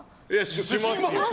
しますよ！